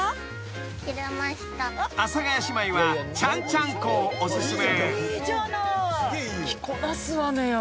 ［阿佐ヶ谷姉妹はちゃんちゃんこをお薦め］